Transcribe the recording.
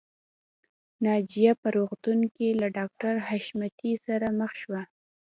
ناجیه په روغتون کې له ډاکټر حشمتي سره مخ شوه